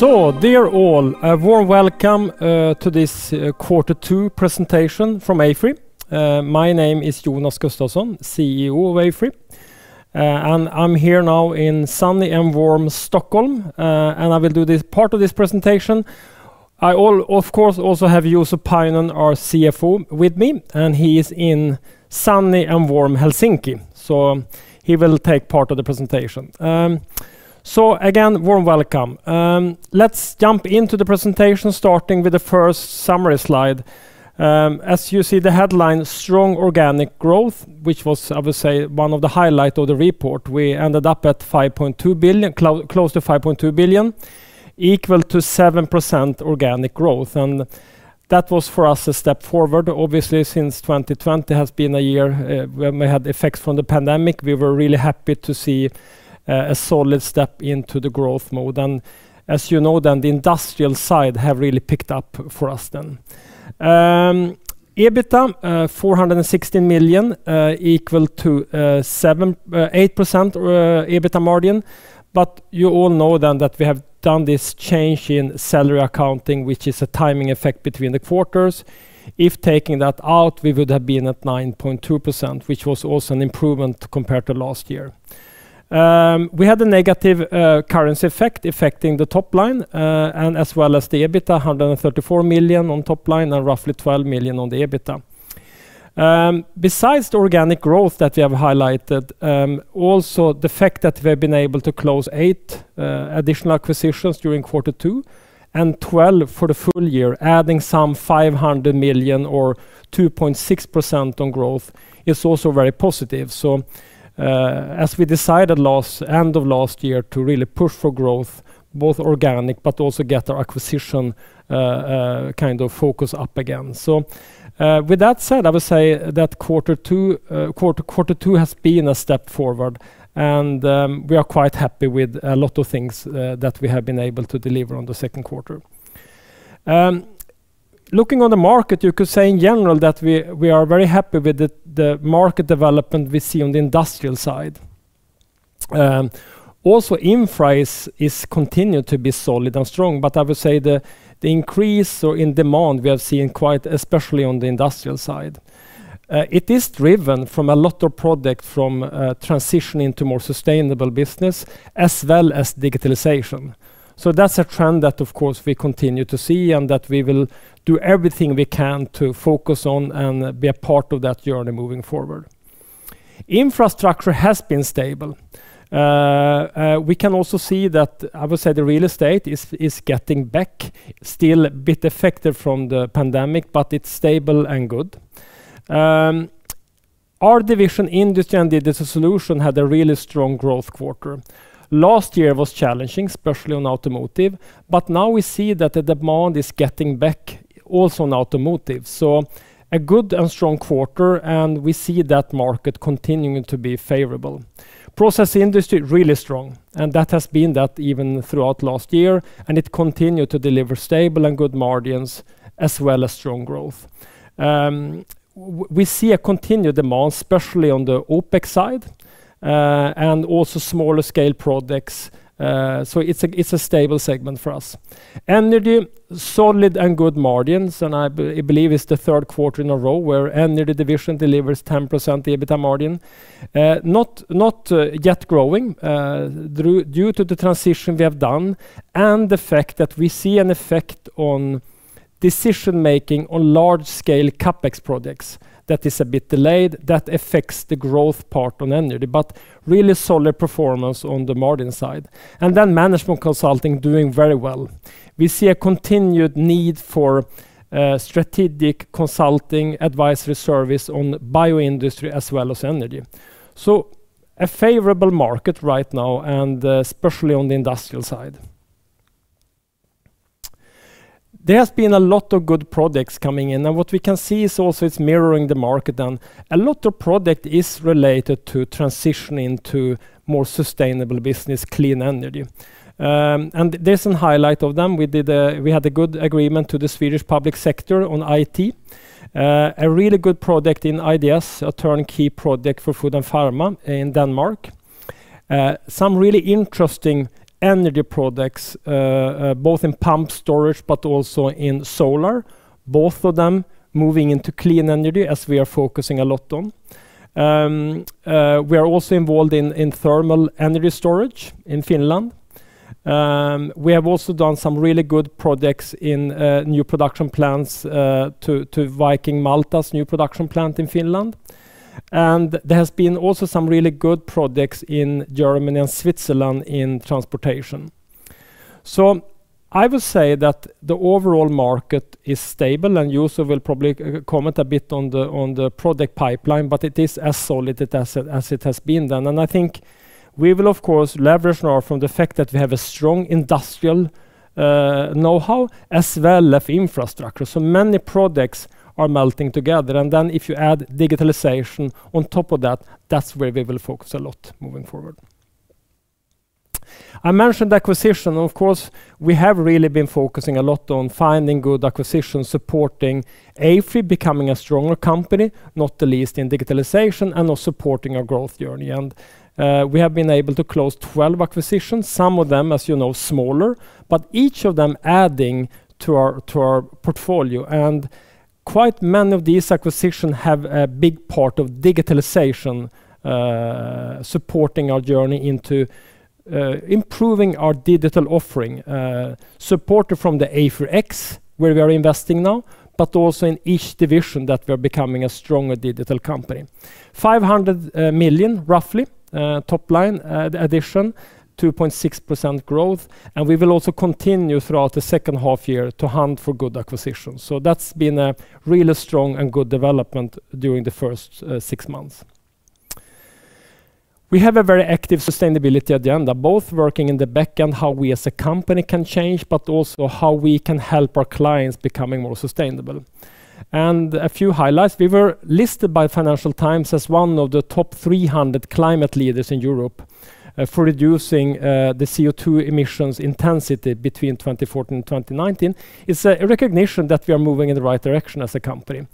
Dear all, a warm welcome to this quarter two presentation from AFRY. My name is Jonas Gustavsson, CEO of AFRY. I'm here now in sunny and warm Stockholm. I will do part of this presentation. I, of course, also have Juuso Pajunen, our CFO, with me. He is in sunny and warm Helsinki. Again, warm welcome. Let's jump into the presentation, starting with the first summary slide. As you see the headline, strong organic growth, which was, I would say, one of the highlights of the report. We ended up close to 5.2 billion, equal to 7% organic growth. That was, for us, a step forward, obviously, since 2020 has been a year when we had effects from the pandemic. We were really happy to see a solid step into the growth mode. As you know, the industrial side have really picked up for us. EBITDA 460 million, equal to 8% EBITDA margin. You all know that we have done this change in salary accounting, which is a timing effect between the quarters. If taking that out, we would have been at 9.2%, which was also an improvement compared to last year. We had a negative currency effect affecting the top line and as well as the EBITDA, 134 million on top line and roughly 12 million on the EBITDA. Besides the organic growth that we have highlighted, also the fact that we've been able to close eight additional acquisitions during quarter two and 12 for the full year, adding some 500 million or 2.6% on growth is also very positive. As we decided end of last year to really push for growth, both organic but also get the acquisition focus up again. With that said, I would say that quarter two has been a step forward and we are quite happy with a lot of things that we have been able to deliver on the second quarter. Looking on the market, you could say in general that we are very happy with the market development we see on the industrial side. Also infra is continued to be solid and strong. I would say the increase or in demand, we are seeing quite, especially on the industrial side, it is driven from a lot of product from transitioning to more sustainable business as well as digitalization. That's a trend that, of course, we continue to see and that we will do everything we can to focus on and be a part of that journey moving forward. Infrastructure has been stable. We can also see that, I would say the real estate is getting back still a bit affected from the pandemic, but it's stable and good. Our division Industrial & Digital Solutions had a really strong growth quarter. Last year was challenging, especially on automotive. Now we see that the demand is getting back also on automotive. A good and strong quarter and we see that market continuing to be favorable. Process industry, really strong, and that has been that even throughout last year, and it continued to deliver stable and good margins as well as strong growth. We see a continued demand, especially on the OpEx side and also smaller scale projects. It's a stable segment for us. Energy, solid and good margins, and I believe it's the third quarter in a row where Energy division delivers 10% EBITDA margin. Not yet growing due to the transition we have done and the fact that we see an effect on decision-making on large scale CapEx projects that is a bit delayed, that affects the growth part on energy, but really solid performance on the margin side. Management Consulting doing very well. We see a continued need for strategic consulting advisory service on bioindustry as well as energy. A favorable market right now and especially on the industrial side. There's been a lot of good projects coming in, and what we can see is also it's mirroring the market, and a lot of project is related to transitioning to more sustainable business, clean energy. There's some highlight of them. We had a good agreement to the Swedish public sector on IT, a really good project in IDS, a turnkey project for food and pharma in Denmark. Some really interesting energy projects, both in pump storage but also in solar, both of them moving into clean energy as we are focusing a lot on. We are also involved in thermal energy storage in Finland. We have also done some really good projects in new production plants to Viking Malt's new production plant in Finland. There's been also some really good projects in Germany and Switzerland in transportation. I would say that the overall market is stable, and Juuso will probably comment a bit on the project pipeline, but it is as solid as it has been then, and I think we will, of course, leverage more from the fact that we have a strong industrial know-how as well as infrastructure. Many projects are melting together. If you add digitalization on top of that's where we will focus a lot moving forward. I mentioned acquisition. Of course, we have really been focusing a lot on finding good acquisitions, supporting AFRY becoming a stronger company, not the least in digitalization and also supporting our growth journey. We have been able to close 12 acquisitions, some of them, as you know, smaller, but each of them adding to our portfolio. Quite many of these acquisitions have a big part of digitalization, supporting our journey into improving our digital offering, supported from the AFRY X, where we are investing now, but also in each division that we are becoming a stronger digital company. 500 million, roughly, top line addition, 2.6% growth. We will also continue throughout the second half year to hunt for good acquisitions. That's been a really strong and good development during the first six months. We have a very active sustainability agenda, both working in the back end, how we as a company can change, but also how we can help our clients becoming more sustainable. A few highlights. We were listed by Financial Times as one of the top 300 climate leaders in Europe for reducing the CO2 emissions intensity between 2014 and 2019. It's a recognition that we are moving in the right direction as a company.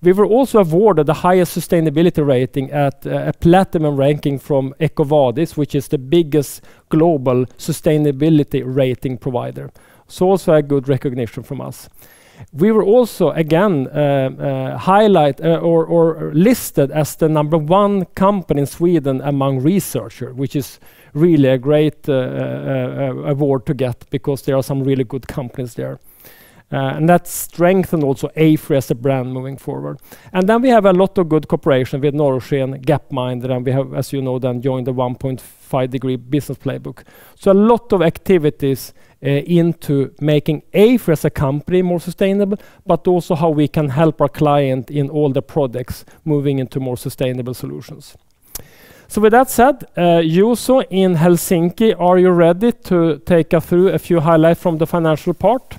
We were also awarded the highest sustainability rating at a platinum ranking from EcoVadis, which is the biggest global sustainability rating provider. It's also a good recognition for us. We were also, again, listed as the number one company in Sweden among researchers, which is really a great award to get because there are some really good companies there. That strengthened also AFRY as a brand moving forward. We have a lot of good cooperation with Norrsken and Gapminder, and we have, as you know, then joined the 1.5°C Business Playbook. A lot of activities into making AFRY as a company more sustainable, but also how we can help our client in all the products moving into more sustainable solutions. With that said, Juuso in Helsinki, are you ready to take us through a few highlights from the financial part?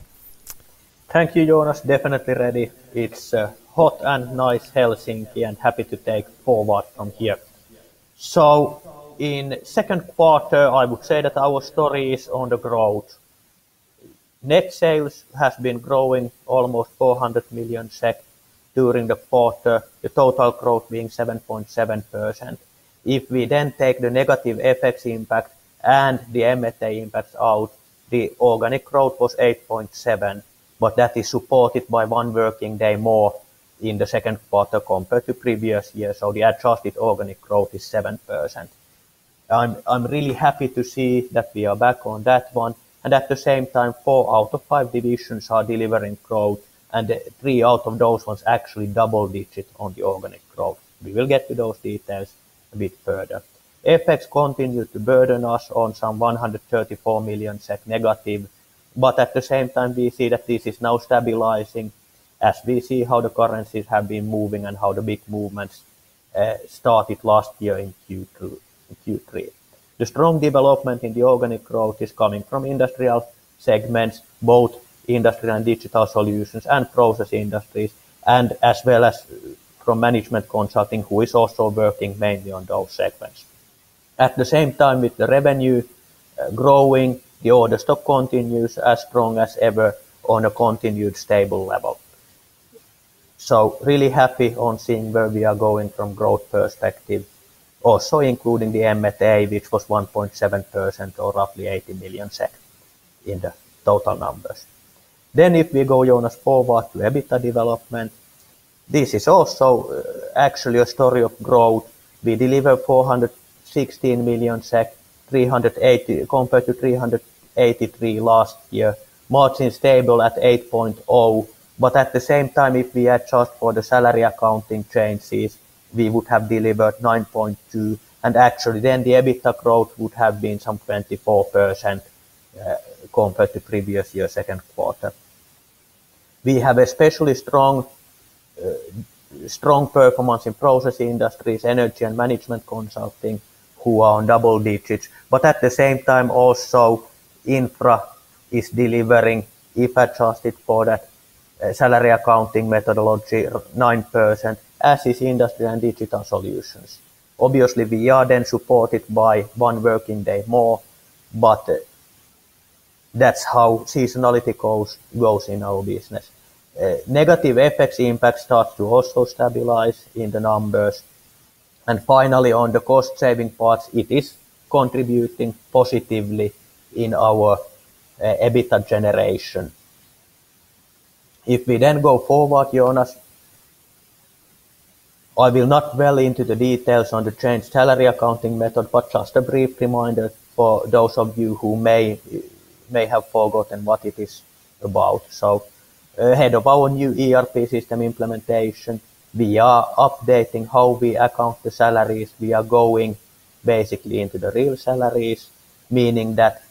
Thank you, Jonas. Definitely ready. It's hot and nice Helsinki. I'm happy to take over from here. In the second quarter, I would say that our story is on the growth. Net sales has been growing almost 400 million SEK during the quarter, the total growth being 7.7%. If we then take the negative FX impact and the M&A impact out, the organic growth was 8.7%, That is supported by one working day more in the second quarter compared to previous year. The adjusted organic growth is 7%. I'm really happy to see that we are back on that one. At the same time, four out of five divisions are delivering growth, and three out of those ones actually double-digit on the organic growth. We will get to those details a bit further. FX continued to burden us on some 134 million negative. At the same time, we see that this is now stabilizing as we see how the currencies have been moving and how the big movements started last year in Q3. The strong development in the organic growth is coming from industrial segments, both Industrial & Digital Solutions and process industries, as well as from Management Consulting, who is also working mainly on those segments. At the same time, with the revenue growing, the order stock continues as strong as ever on a continued stable level. Really happy on seeing where we are going from growth perspective. Also including the M&A, which was 1.7% or roughly SEK 80 million in the total numbers. If we go on a forward to EBITDA development, this is also actually a story of growth. We deliver 416 million SEK compared to 383 million last year. Margin stable at 8.0%. At the same time, if we adjust for the salary accounting changes, we would have delivered 9.2%, and actually then the EBITDA growth would have been some 24% compared to previous year second quarter. We have especially strong performance in process industries, energy and Management Consulting, who are on double digits. At the same time also Infra is delivering, if adjusted for the salary accounting methodology of 9%, as is Industrial & Digital Solutions. Obviously, we are then supported by one working day more. That's how seasonality grows in our business. Negative FX impact start to also stabilize in the numbers. Finally, on the cost-saving parts, it is contributing positively in our EBITDA generation. If we then go forward, Jonas, I will not dwell into the details on the changed salary accounting method, but just a brief reminder for those of you who may have forgotten what it is about. Ahead of our new ERP system implementation, we are updating how we account the salaries. We are going basically into the real salaries, meaning that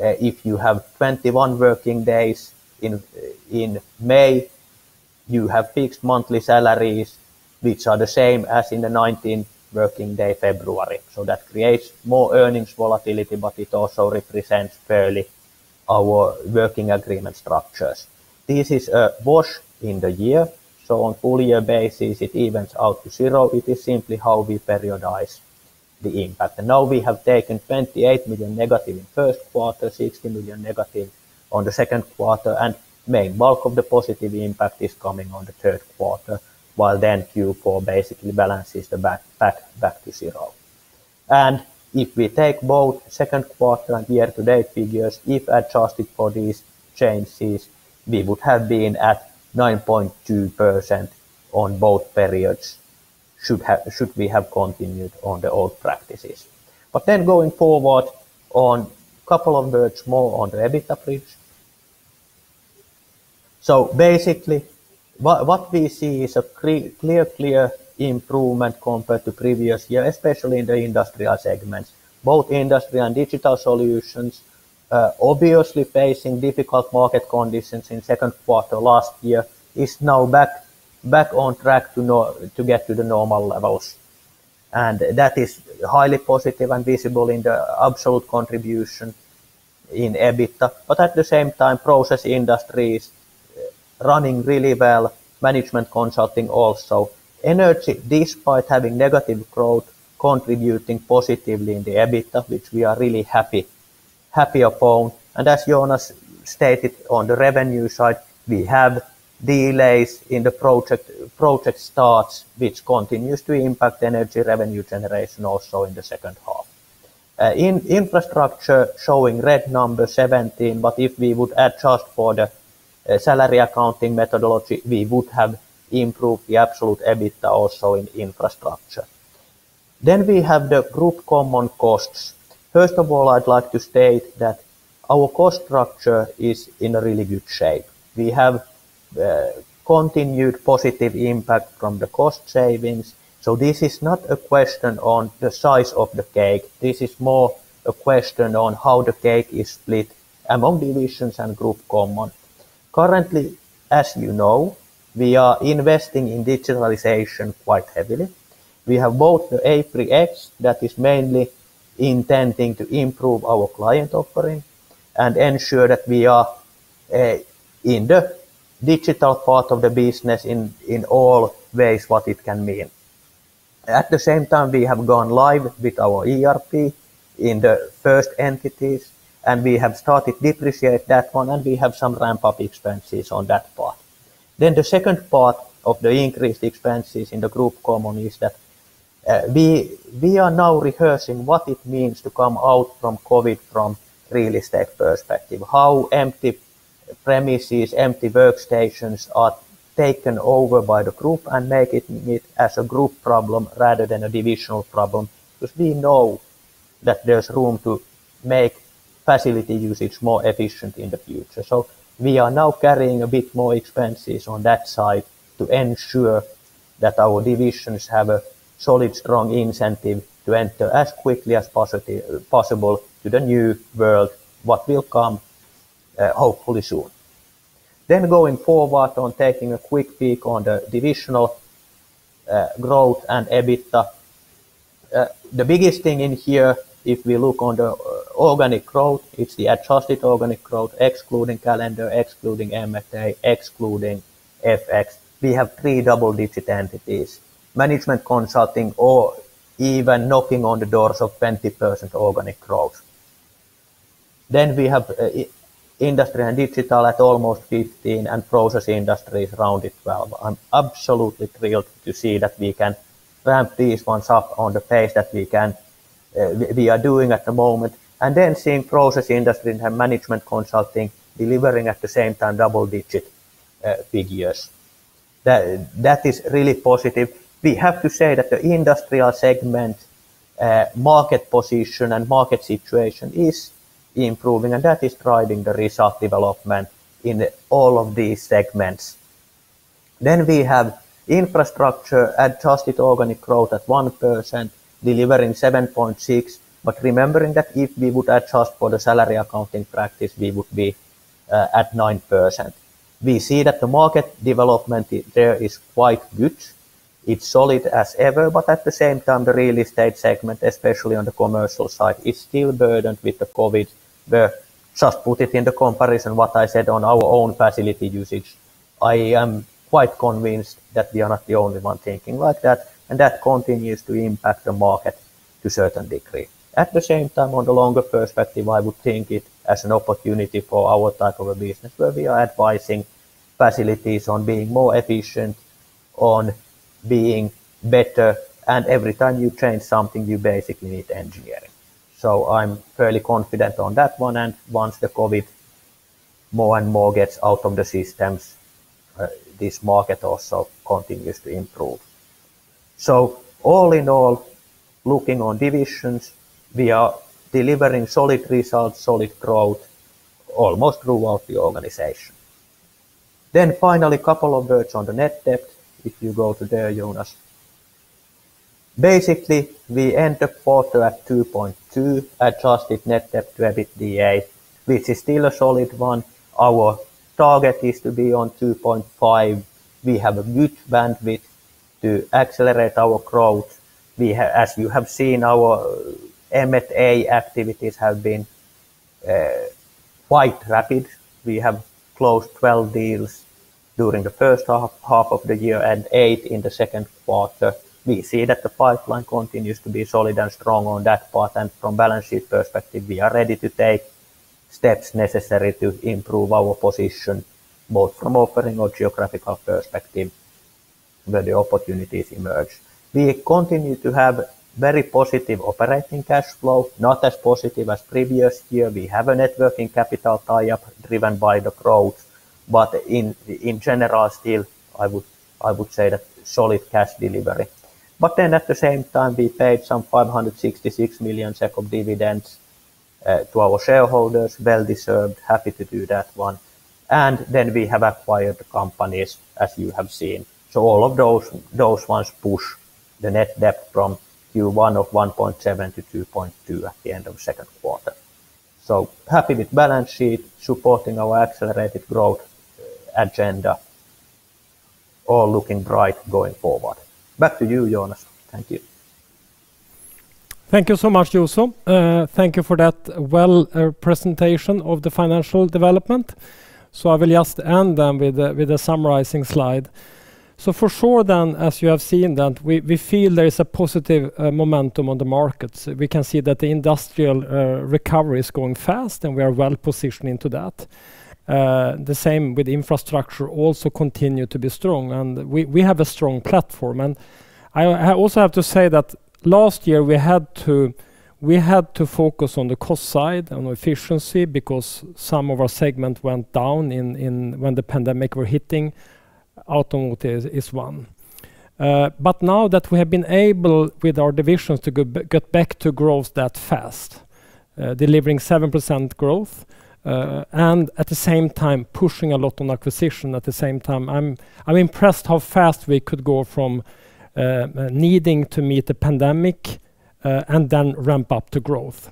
if you have 21 working days in May, you have fixed monthly salaries, which are the same as in the 19 working day February. That creates more earnings volatility, but it also represents fairly our working agreement structures. This is a wash in the year, so on full year basis, it evens out to zero. It is simply how we periodize the impact. Now we have taken 28 million negative in first quarter, 16 million negative on the second quarter, and the main bulk of the positive impact is coming on the third quarter, while Q4 basically balances them back to 0. If we take both second quarter and year-to-date figures, if adjusted for these changes, we would have been at 9.2% on both periods should we have continued on the old practices. Going forward on couple of words more on the EBITDA, please. Basically, what we see is a clear improvement compared to previous year, especially in the industrial segments. Both Industrial & Digital Solutions, obviously facing difficult market conditions in second quarter last year, is now back on track to get to the normal levels. That is highly positive and visible in the absolute contribution in EBITDA. At the same time, process industries running really well, Management Consulting also. Energy, despite having negative growth, contributing positively in the EBITDA, which we are really happy upon. As Jonas stated, on the revenue side, we have delays in the project starts, which continues to impact energy revenue generation also in the second half. In infrastructure, showing red 17, but if we would adjust for the salary accounting methodology, we would have improved the absolute EBITDA also in infrastructure. We have the group common costs. First of all, I'd like to state that our cost structure is in a really good shape. We have continued positive impact from the cost savings. This is not a question on the size of the cake. This is more a question on how the cake is split among divisions and group common. Currently, as you know, we are investing in digitalization quite heavily. We have bought the AFRY X that is mainly intending to improve our client offering and ensure that we are in the digital part of the business in all ways what it can mean. At the same time, we have gone live with our ERP in the first entities, and we have started depreciate that one, and we have some ramp-up expenses on that part. The second part of the increased expenses in the group common is that we are now rehearsing what it means to come out from COVID from real estate perspective, how empty premises, empty workstations are taken over by the group and make it as a group problem rather than a divisional problem, because we know that there's room to make facility usage more efficient in the future. We are now carrying a bit more expenses on that side to ensure that our divisions have a solid, strong incentive to enter as quickly as possible to the new world, what will come, hopefully soon. Going forward on taking a quick peek on the divisional growth and EBITDA. The biggest thing in here, if we look on the organic growth, it's the adjusted organic growth, excluding calendar, excluding M&A, excluding FX. We have three double-digit entities, Management Consulting, or even knocking on the doors of 20% organic growth. We have Industrial & Digital Solutions at almost 15%, and Process Industries around 12%. I'm absolutely thrilled to see that we can ramp these ones up on the pace that we are doing at the moment. Seeing Process Industries and Management Consulting delivering at the same time double-digit figures. That is really positive. We have to say that the Industrial segment market position and market situation is improving, and that is driving the result development in all of these segments. We have Infrastructure adjusted organic growth at 1%, delivering 7.6%. Remembering that if we would adjust for the salary accounting practice, we would be at 9%. We see that the market development there is quite good. It's solid as ever, but at the same time, the Real Estate segment, especially on the commercial side, is still burdened with the COVID. Just put it in the comparison what I said on our own facility usage. I am quite convinced that we are not the only one thinking like that, and that continues to impact the market to a certain degree. On the longer perspective, I would think it as an opportunity for our type of a business where we are advising facilities on being more efficient, on being better, and every time you change something, you basically need engineering. I'm fairly confident on that one, and once the COVID more and more gets out of the systems, this market also continues to improve. All in all, looking on divisions, we are delivering solid results, solid growth, almost throughout the organization. Finally, a couple of words on the net debt, if you go to there, Jonas. Basically, we end the quarter at 2.2 adjusted net debt to EBITDA, which is still a solid one. Our target is to be on 2.5. We have a good bandwidth to accelerate our growth. As you have seen, our M&A activities have been quite rapid. We have closed 12 deals during the first half of the year and eight in the second quarter. We see that the pipeline continues to be solid and strong on that part, and from a balance sheet perspective, we are ready to take steps necessary to improve our position, both from operating or geographical perspective where the opportunities emerge. We continue to have very positive operating cash flow, not as positive as previous year. We have a net working capital tie-up driven by the growth, but in general, still, I would say that solid cash delivery. At the same time, we paid some 566 million SEK of dividends to our shareholders, well-deserved, happy to do that one. We have acquired companies, as you have seen. All of those ones push the net debt from Q1 of 1.7 to 2.2 at the end of second quarter. Happy with balance sheet supporting our accelerated growth agenda. All looking bright going forward. Back to you, Jonas. Thank you. Thank you so much, Juuso. Thank you for that well presentation of the financial development. I will just end then with a summarizing slide. For sure then, as you have seen that we feel there is a positive momentum on the market. We can see that the industrial recovery is going fast, and we are well-positioned to that. The same with infrastructure, also continue to be strong, and we have a strong platform. I also have to say that last year we had to focus on the cost side and efficiency because some of our segment went down when the pandemic was hitting. Automotive is one. Now that we have been able, with our divisions, to get back to growth that fast, delivering 7% growth, and at the same time pushing a lot on acquisition at the same time, I'm impressed how fast we could go from needing to meet the pandemic and then ramp up the growth.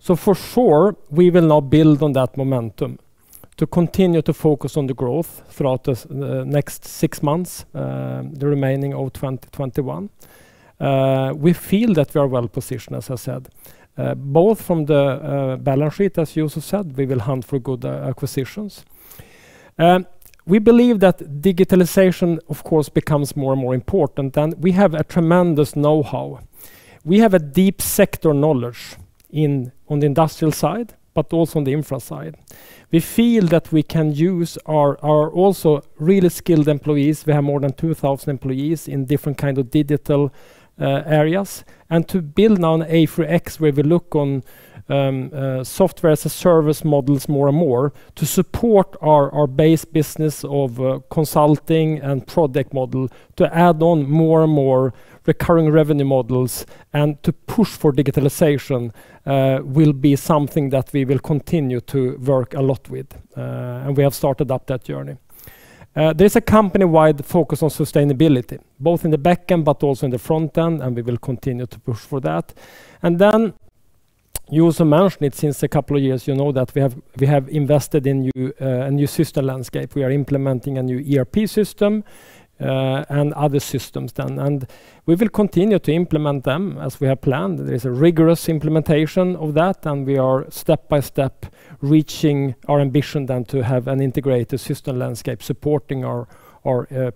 For sure, we will now build on that momentum to continue to focus on the growth throughout the next six months, the remaining of 2021. We feel that we are well-positioned, as I said, both from the balance sheet, as Juuso said, we will hunt for good acquisitions. We believe that digitalization, of course, becomes more and more important, and we have a tremendous knowhow. We have a deep sector knowledge on the industrial side, but also on the infra side. We feel that we can use our also really skilled employees. We have more than 2,000 employees in different kind of digital areas. To build on AFRY X, where we look on software as a service models more and more to support our base business of consulting and project model to add on more and more recurring revenue models and to push for digitalization will be something that we will continue to work a lot with. We have started up that journey. There's a company-wide focus on sustainability, both in the back end but also in the front end, and we will continue to push for that. Then Juuso mentioned it since a couple of years ago that we have invested in a new system landscape. We are implementing a new ERP system and other systems then. We will continue to implement them as we have planned. There's a rigorous implementation of that, and we are step by step reaching our ambition then to have an integrated system landscape supporting our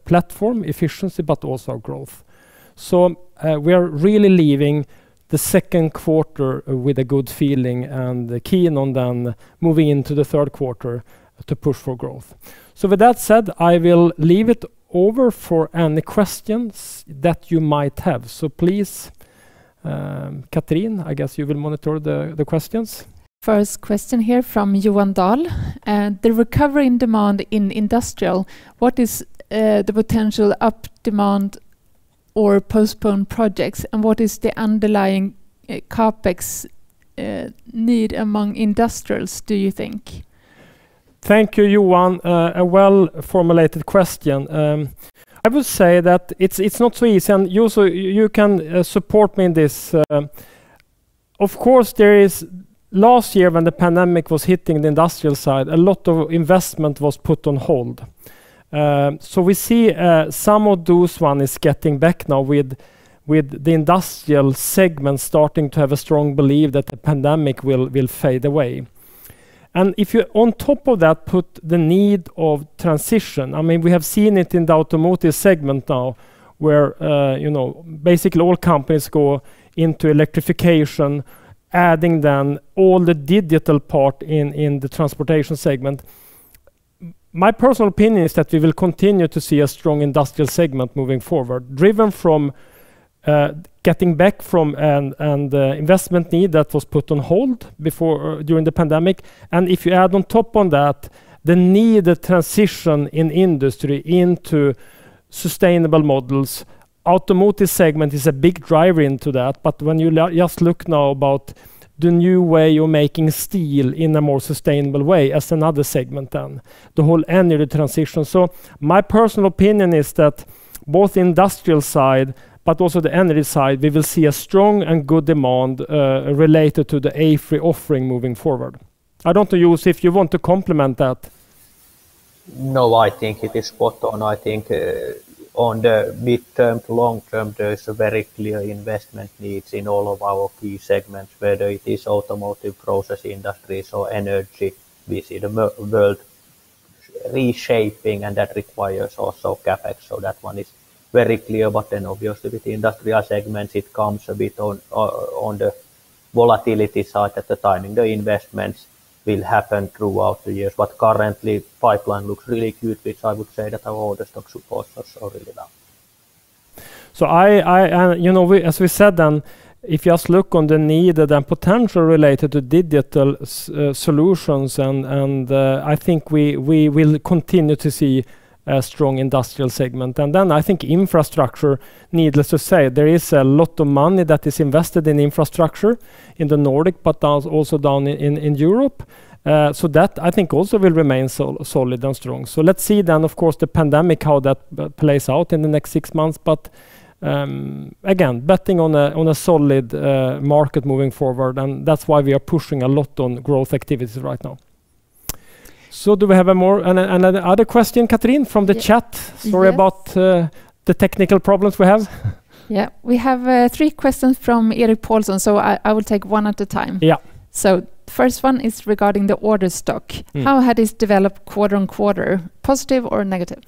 platform efficiency, but also our growth. We are really leaving the second quarter with a good feeling and keen on then moving into the third quarter to push for growth. With that said, I will leave it over for any questions that you might have. Please, Katrin, I guess you will monitor the questions. First question here from Johan Dahl. The recovery in demand in industrial, what is the potential up demand or postponed projects, and what is the underlying CapEx need among industrials, do you think? Thank you, Johan. A well-formulated question. I would say that it's not so easy. Juuso, you can support me in this. Of course, last year when the pandemic was hitting the industrial side, a lot of investment was put on hold. We see some of those ones getting back now with the industrial segment starting to have a strong belief that the pandemic will fade away. If you, on top of that, put the need of transition, we have seen it in the automotive segment now, where basically all companies go into electrification, adding then all the digital part in the transportation segment. My personal opinion is that we will continue to see a strong industrial segment moving forward, driven from getting back from an investment need that was put on hold during the pandemic. If you add on top on that, the needed transition in industry into sustainable models, automotive segment is a big driver into that. When you just look now about the new way of making steel in a more sustainable way as another segment then, the whole energy transition. My personal opinion is that both the industrial side, but also the energy side, we will see a strong and good demand related to the AFRY offering moving forward. I don't know, Juuso, if you want to complement that? No, I think it is spot on. I think on the midterm, long term, there is a very clear investment needs in all of our key segments, whether it is automotive, process industries or energy. We see the world reshaping and that requires also CapEx. That one is very clear. Obviously with industrial segments, it comes a bit on the volatility side at the time, and the investments will happen throughout the year. Currently pipeline looks really good, which I would say that our order stock supports us already now. As we said then, if you just look on the need and potential related to digital solutions, I think we will continue to see a strong industrial segment. I think infrastructure, needless to say, there is a lot of money that is invested in infrastructure in the Nordic, but also down in Europe. That I think also will remain solid and strong. Let's see then, of course, the pandemic, how that plays out in the next six months. Again, betting on a solid market moving forward, and that's why we are pushing a lot on growth activities right now. Do we have any other question, Katrin, from the chat? Yes. Sorry about the technical problems we have. Yeah. We have three questions from Erik Paulsson. I will take 1 at a time. Yeah. The first one is regarding the order stock. How has this developed quarter on quarter, positive or negative?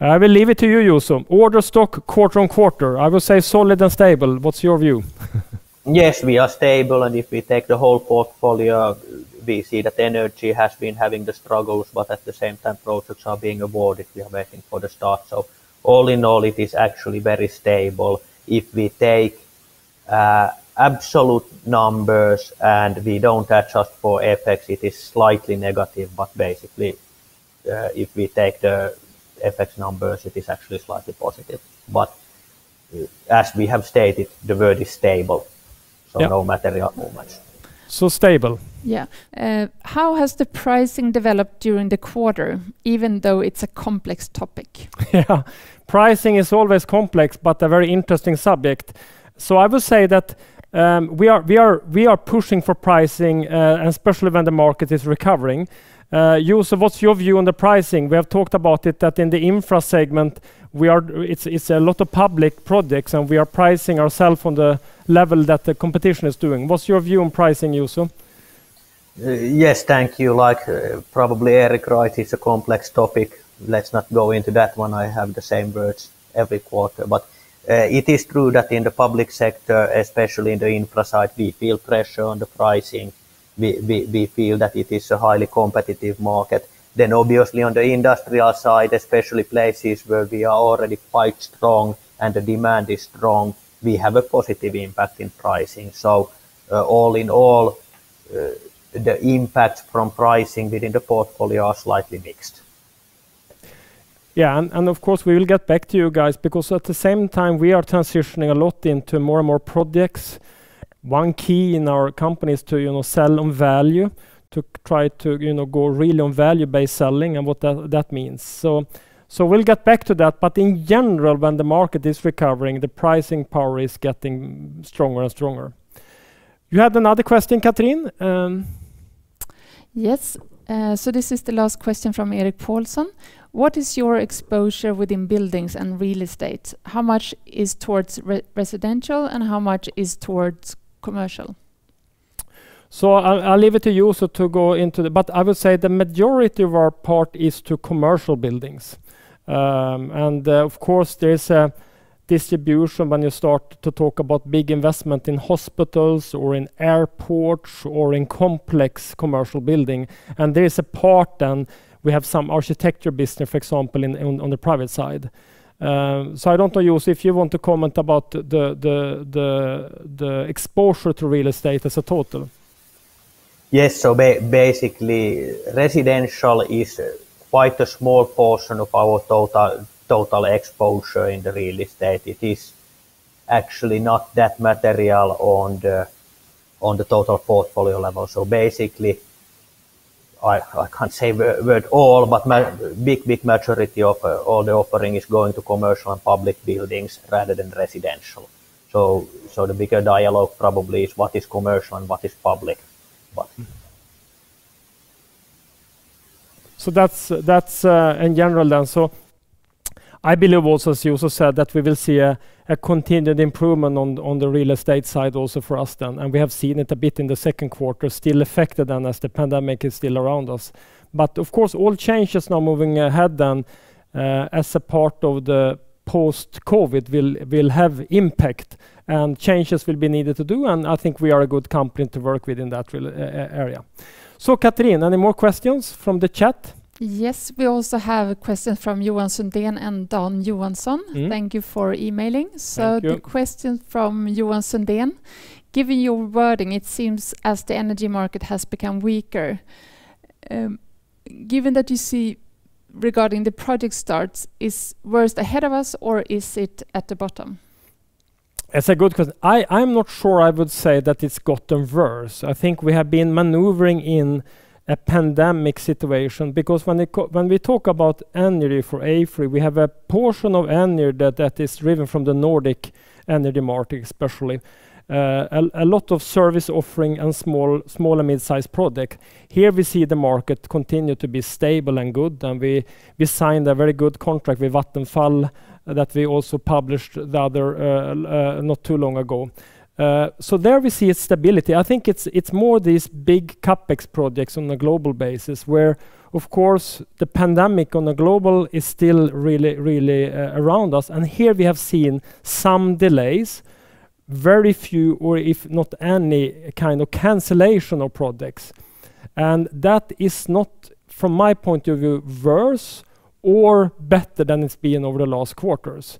I will leave it to you, Juuso. Order stock, quarter-on-quarter, I would say solid and stable. What's your view? Yes, we are stable and if we take the whole portfolio, we see that energy has been having the struggles, but at the same time, projects are being awarded, we are waiting for the start. All in all, it is actually very stable. If we take absolute numbers and we don't adjust for FX, it is slightly negative, but basically, if we take the FX numbers, it is actually slightly positive. As we have stated, the word is stable, so no material movements. stable. Yeah. How has the pricing developed during the quarter, even though it's a complex topic? Yeah. Pricing is always complex, but a very interesting subject. I would say that we are pushing for pricing, especially when the market is recovering. Juuso, what's your view on the pricing? We have talked about it that in the infra segment, it's a lot of public projects and we are pricing ourselves on the level that the competition is doing. What's your view on pricing, Juuso? Yes, thank you. Like probably Erik Paulsson writes, it's a complex topic. Let's not go into that one. I have the same words every quarter. It is true that in the public sector, especially in the infra side, we feel pressure on the pricing. We feel that it is a highly competitive market. Obviously on the industrial side, especially places where we are already quite strong and the demand is strong, we have a positive impact in pricing. All in all, the impact from pricing within the portfolio are slightly mixed. Yeah. Of course we'll get back to you guys because at the same time we are transitioning a lot into more and more projects. One key in our company is to sell on value, to try to go real on value-based selling and what that means. We'll get back to that. In general, when the market is recovering, the pricing power is getting stronger and stronger. You have another question, Katrin? Yes. This is the last question from Erik Paulsson. What is your exposure within buildings and real estate? How much is towards residential and how much is towards commercial? I'll leave it to Juuso to go into it, but I would say the majority of our part is to commercial buildings. Of course there's a distribution when you start to talk about big investment in hospitals or in airports or in complex commercial building. There's a part then we have some architecture business, for example, on the private side. I don't know, Juuso, if you want to comment about the exposure to real estate as a total. Yes. Basically, residential is quite a small portion of our total exposure in the real estate. It is actually not that material on the total portfolio level. Basically, I can't say with all, but big majority of all the offering is going to commercial and public buildings rather than residential. The bigger dialogue probably is what is commercial and what is public. That's in general then, I believe also, as Juuso said, that we will see a continued improvement on the real estate side also for us then, and we have seen it a bit in the second quarter, still affected then as the pandemic is still around us. Of course, all changes now moving ahead then, as a part of the post-COVID will have impact and changes will be needed to do, and I think we are a good company to work with in that area. Katrin, any more questions from the chat? Yes. We also have a question from Johan Sundén and Dan Johansson. Thank you for emailing. Thank you. The question from Johan Sundén, given your wording, it seems as the energy market has become weaker, given that you see regarding the project starts, is worse ahead of us or is it at the bottom? It's a good question. I'm not sure I would say that it's gotten worse. We have been maneuvering in a pandemic situation because when we talk about energy for AFRY, we have a portion of energy that is driven from the Nordic energy market, especially. A lot of service offering and small and mid-sized product. Here we see the market continue to be stable and good, and we signed a very good contract with Vattenfall that we also published not too long ago. There we see its stability. It's more these big CapEx projects on a global basis where, of course, the pandemic on a global is still really around us. Here we have seen some delays, very few or if not any kind of cancellation of projects. That is not, from my point of view, worse or better than it's been over the last quarters.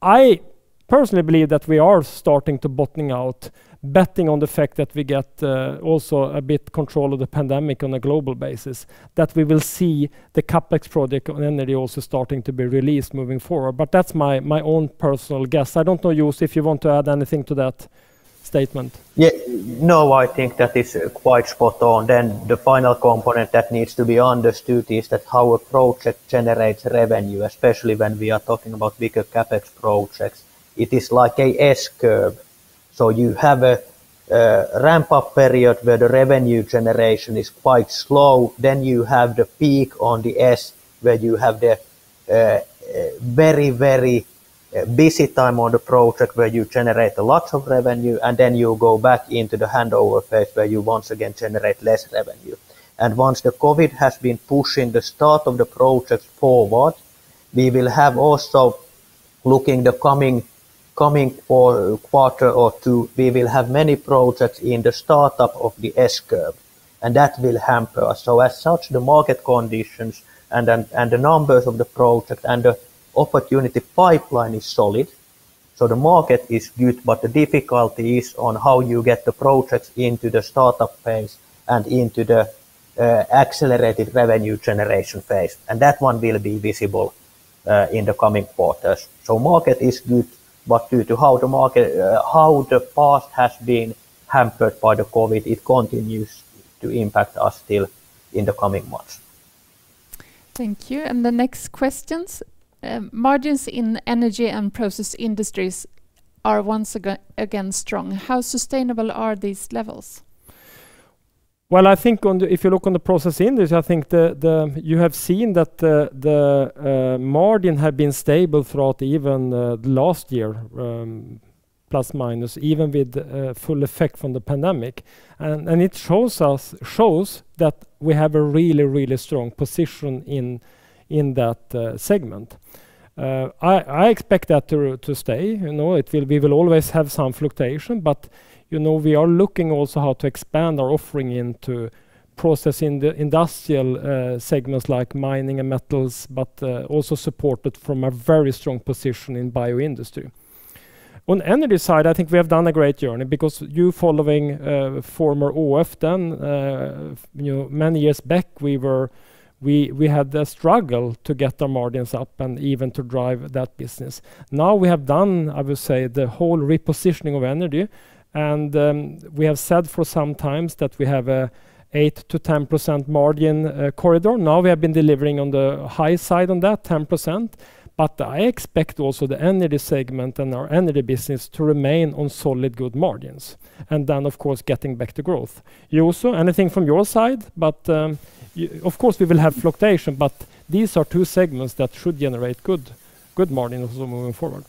I personally believe that we are starting to bottoming out, betting on the fact that we get also a bit control of the pandemic on a global basis, that we will see the CapEx project and energy also starting to be released moving forward. That's my own personal guess. I don't know, Juuso, if you want to add anything to that statement. No, I think that is quite spot on. The final component that needs to be understood is that how a project generates revenue, especially when we are talking about bigger CapEx projects. It is like a S-curve. You have a ramp-up period where the revenue generation is quite slow, then you have the peak on the S where you have the very busy time on the project where you generate lots of revenue, and then you go back into the handover phase where you once again generate less revenue. Once the COVID has been pushing the start of the project forward, we will have also, looking the coming quarter or two, we will have many projects in the startup of the S-curve, and that will hamper us. As such, the market conditions and the numbers of the project and the opportunity pipeline is solid. The market is good, but the difficulty is on how you get the projects into the startup phase and into the accelerated revenue generation phase. That one will be visible in the coming quarters. Market is good, but due to how the path has been hampered by the COVID, it continues to impact us still in the coming months. Thank you. The next question, margins in energy and process industries are once again strong. How sustainable are these levels? Well, I think if you look on the process industry, I think that you have seen that the margin had been stable throughout even the last year, plus/minus, even with full effect from the pandemic. It shows that we have a really strong position in that segment. I expect that to stay. We will always have some fluctuation. We are looking also how to expand our offering into processing the industrial segments like mining and metals, also supported from a very strong position in bioindustry. On energy side, I think we have done a great journey because you following former ÅF then many years back, we had the struggle to get the margins up and even to drive that business. We have done, I would say, the whole repositioning of energy, and we have said for some times that we have a 8%-10% margin corridor. We have been delivering on the high side on that 10%, but I expect also the energy segment and our energy business to remain on solid good margins, and then, of course, getting back to growth. Juuso, anything from your side? Of course, we will have fluctuation, but these are two segments that should generate good margins also moving forward.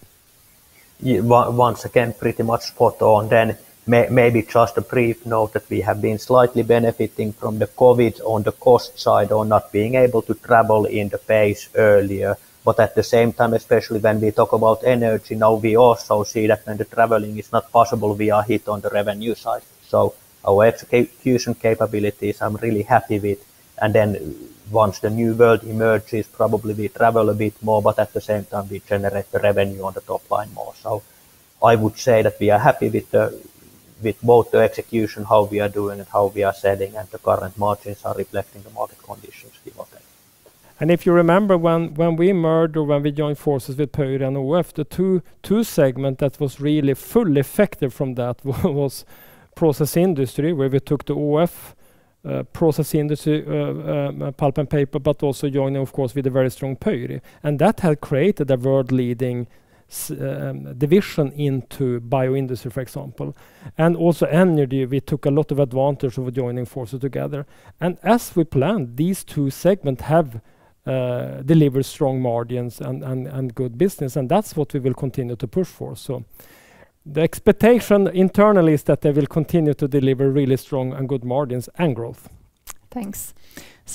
Once again, pretty much spot on. Maybe just a brief note that we have been slightly benefiting from the COVID on the cost side on not being able to travel in the pace earlier. At the same time, especially when we talk about energy now, we also see that when the traveling is not possible, we are hit on the revenue side. Our execution capabilities, I'm really happy with. Once the new world emerges, probably we travel a bit more, but at the same time, we generate the revenue on the top line more. I would say that we are happy with the execution, how we are doing, and how we are selling, and the current margins are reflecting the market conditions we are working in. If you remember when we merged or when we joined forces with Pöyry and ÅF, the two segment that was really fully effective from that was Process Industry, where we took the ÅF Process Industry, Pulp and Paper, but also joining, of course, with the very strong Pöyry. That had created a world leading division into Bioindustry, for example. Also Energy, we took a lot of advantage of joining forces together. As we planned, these two segments have delivered strong margins and good business, and that's what we will continue to push for. The expectation internally is that they will continue to deliver really strong and good margins and growth. Thanks.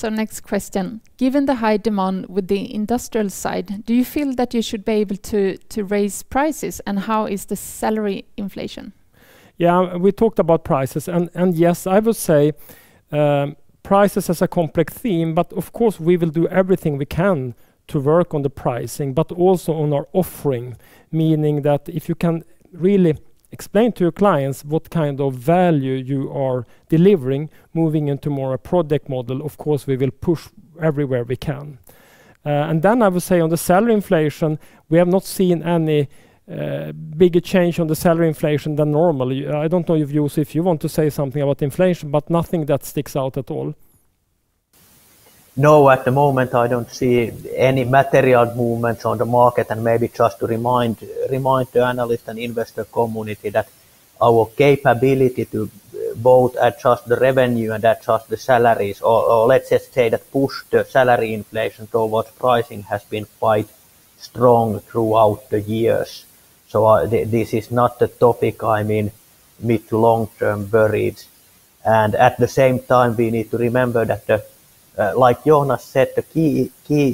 Next question. Given the high demand with the industrial side, do you feel that you should be able to raise prices? How is the salary inflation? Yeah, we talked about prices. Yes, I would say prices is a complex theme, but of course, we will do everything we can to work on the pricing, but also on our offering, meaning that if you can really explain to your clients what kind of value you are delivering moving into more a project model, of course, we will push everywhere we can. Then I would say on the salary inflation, we have not seen any bigger change on the salary inflation than normal. I don't know if, Juuso, if you want to say something about inflation, but nothing that sticks out at all. No, at the moment, I don't see any material movements on the market. Maybe just to remind the analyst and investor community that our capability to both adjust the revenue and adjust the salaries, or let's just say that push the salary inflation towards pricing has been quite strong throughout the years. This is not a topic, I'm in mid-to-long-term worries. At the same time, we need to remember that, like Jonas said, the key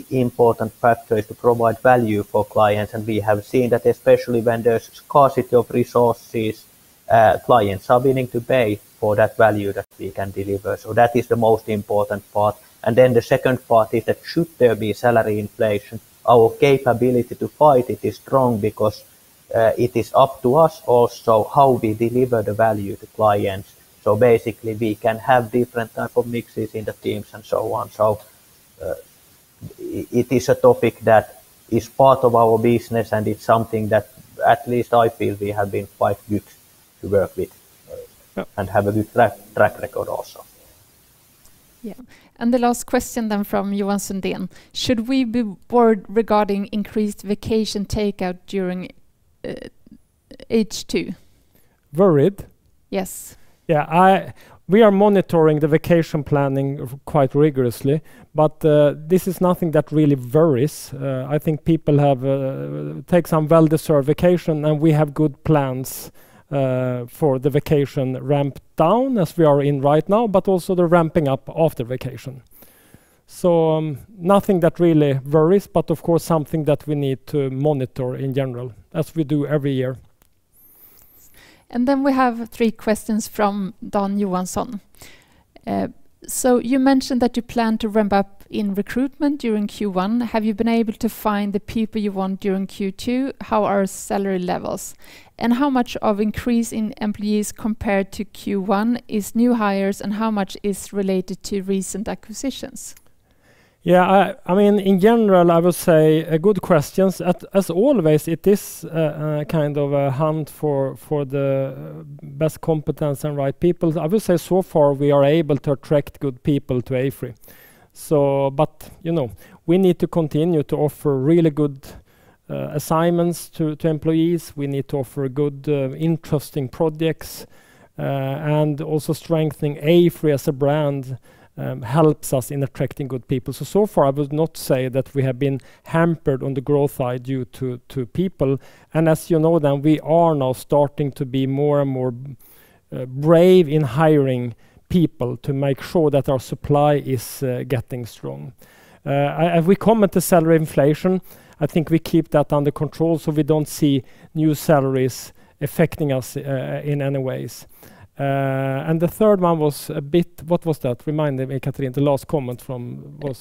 important factor is to provide value for clients. We have seen that especially when there's scarcity of resources, clients are willing to pay for that value that we can deliver. That is the most important part. The second part is that should there be salary inflation, our capability to fight it is strong because it is up to us also how we deliver the value to clients. Basically, we can have different type of mixes in the teams and so on. It is a topic that is part of our business, and it's something that at least I feel we have been quite good to work with and have a good track record also. Yeah. The last question then from Johansson. Should we be worried regarding increased vacation takeout during H2? Worried? Yes. We are monitoring the vacation planning quite rigorously, but this is nothing that really worries. I think people have taken some well-deserved vacation, and we have good plans for the vacation ramp down as we are in right now, but also the ramping up of the vacation. Nothing that really worries, but of course, something that we need to monitor in general as we do every year. We have three questions from Dan Johansson. You mentioned that you plan to ramp up in recruitment during Q1. Have you been able to find the people you want during Q2? How are salary levels? How much of increase in employees compared to Q1 is new hires and how much is related to recent acquisitions? Yeah, in general, I would say good questions. As always, it is kind of a hunt for the best competence and right people. I would say so far, we are able to attract good people to AFRY. We need to continue to offer really good assignments to employees. We need to offer good, interesting projects. Also strengthening AFRY as a brand helps us in attracting good people. So far, I would not say that we have been hampered on the growth side due to people. As you know, we are now starting to be more and more brave in hiring people to make sure that our supply is getting strong. We comment the salary inflation, I think we keep that under control, we don't see new salaries affecting us in any ways. The third one was a bit, what was that? Remind me, Katrin.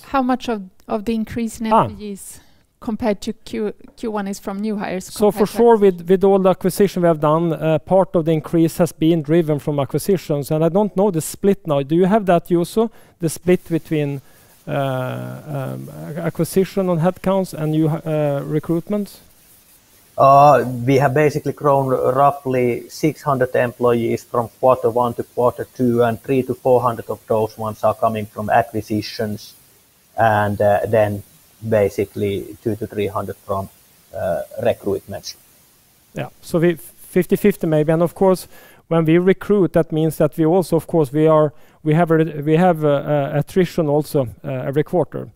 How much of the increase in employees compared to Q1 is from new hires compared to- Far with all the acquisition we have done, part of the increase has been driven from acquisitions. I don't know the split now. Do you have that, Juuso, the split between acquisition on headcounts and new recruitments? We have basically grown roughly 600 employees from quarter one to quarter two, and 300-400 of those ones are coming from acquisitions. Basically 200-300 from recruitments. Yeah. 50/50 maybe. Of course, when we recruit, that means that we also, of course, we have attrition also every quarter.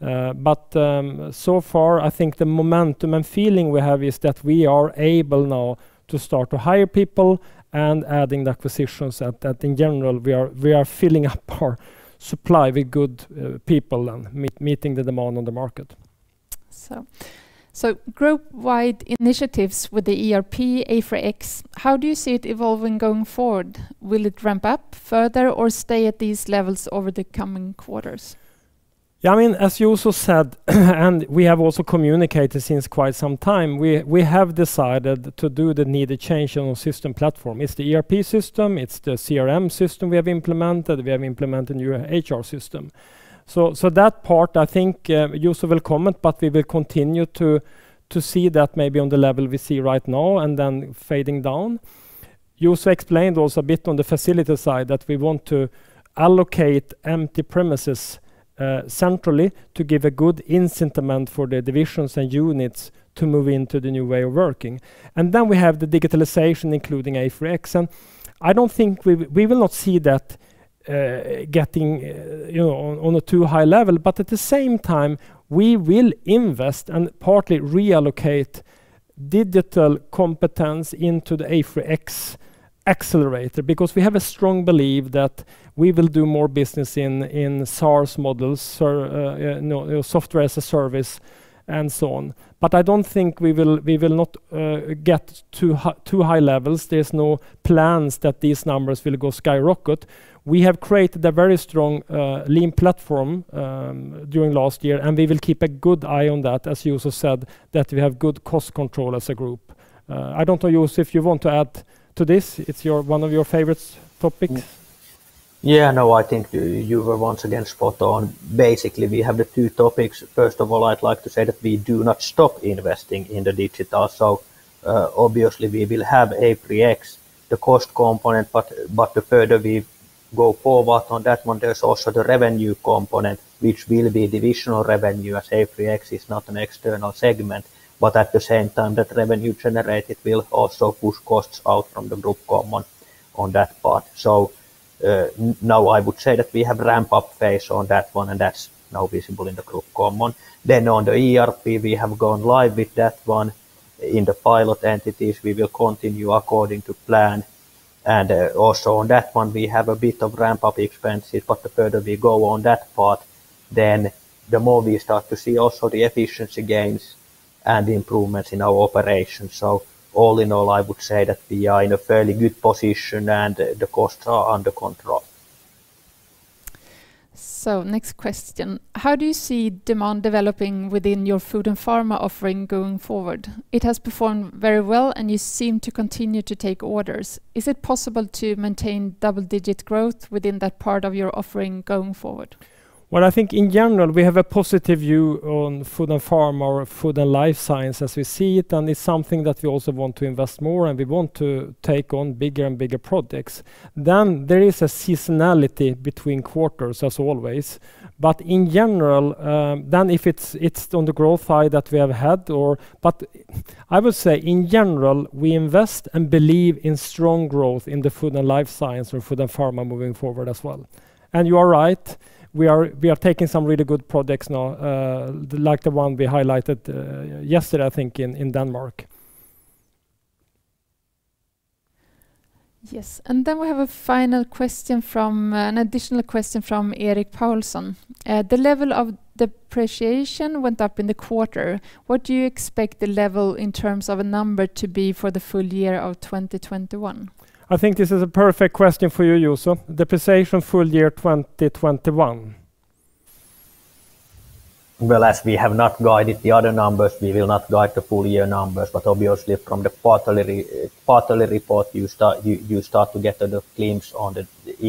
So far, I think the momentum and feeling we have is that we are able now to start to hire people and adding acquisitions, and that in general, we are filling up our supply with good people and meeting the demand on the market. Group-wide initiatives with the ERP, AFRY X, how do you see it evolving going forward? Will it ramp up further or stay at these levels over the coming quarters? Yeah, as Juuso said, we have also communicated since quite some time, we have decided to do the needed change on system platform. It's the ERP system, it's the CRM system we have implemented. We have implemented a new HR system. That part, I think Juuso will comment, we will continue to see that maybe on the level we see right now, and then fading down. Juuso explained also a bit on the facility side that we want to allocate empty premises centrally to give a good incentive amount for the divisions and units to move into the new way of working. Then we have the digitalization, including AFRY X, I don't think we will not see that getting on a too high level. At the same time, we will invest and partly reallocate digital competence into the AFRY X accelerator because we have a strong belief that we will do more business in SaaS models, software as a service, and so on. I don't think we will not get to high levels. There's no plans that these numbers will go skyrocket. We have created a very strong lean platform during last year, and we will keep a good eye on that, as Juuso said, that we have good cost control as a group. I don't know, Juuso, if you want to add to this, it's one of your favorite topics. Yeah, no, I think you were once again spot on. Basically, we have the two topics. First of all, I'd like to say that we do not stop investing in the digital. Obviously, we will have AFRY X, the cost component, but the further we go forward on that one, there's also the revenue component, which will be additional revenue as AFRY X is not an external segment. At the same time, that revenue generated will also push costs out from the group common on that part. Now I would say that we have a ramp-up phase on that one, and that's now visible in the group common. On the ERP, we have gone live with that one in the pilot entities. We will continue according to plan. Also on that one, we have a bit of ramp-up expenses, but the further we go on that part, then the more we start to see also the efficiency gains and improvements in our operations. All in all, I would say that we are in a fairly good position, and the costs are under control. Next question, how do you see demand developing within your food and pharma offering going forward? It has performed very well, and you seem to continue to take orders. Is it possible to maintain double-digit growth within that part of your offering going forward? Well, I think in general, we have a positive view on food and pharma or food and life science as we see it, and it's something that we also want to invest more in. We want to take on bigger and bigger projects. There is a seasonality between quarters as always, but in general, then if it's on the growth high that we have had, I would say in general, we invest and believe in strong growth in the food and life science or food and pharma moving forward as well. You are right, we are taking some really good projects now, like the one we highlighted yesterday, I think, in Denmark. Yes. We have an additional question from Erik Paulsson. The level of depreciation went up in the quarter. What do you expect the level in terms of a number to be for the full year of 2021? I think this is a perfect question for you, Juuso. Depreciation full year 2021. Well, as we have not guided the other numbers, we will not guide the full year numbers. But obviously, from the quarterly report, you start to get a glimpse of the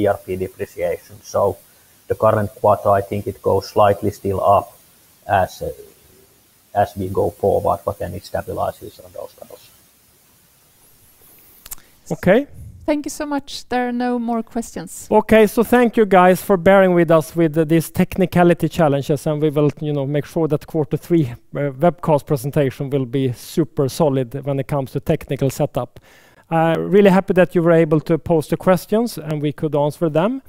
ERP depreciation. So the current quarter, I think it goes slightly still up as we go forward, but then it stabilizes on those levels. Okay. Thank you so much. There are no more questions. Okay, thank you guys for bearing with us with these technicality challenges. We will make sure that quarter three webcast presentation will be super solid when it comes to technical setup. Really happy that you were able to pose the questions. We could answer them.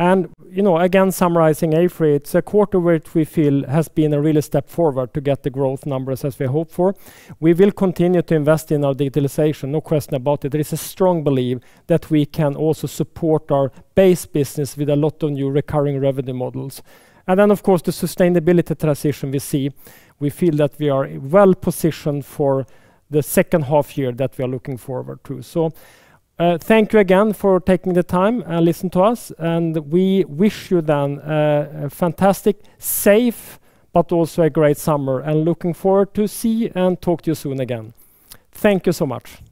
Again, summarizing AFRY, it's a quarter which we feel has been a real step forward to get the growth numbers as we hoped for. We will continue to invest in our digitalization, no question about it. There's a strong belief that we can also support our base business with a lot of new recurring revenue models. Of course, the sustainability transition we see, we feel that we are well-positioned for the second half year that we are looking forward to. Thank you again for taking the time and listening to us, and we wish you then a fantastic, safe, but also a great summer, and looking forward to see and talk to you soon again. Thank you so much.